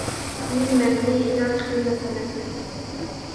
Kuyinmang, ne iloj qilmasa nasib.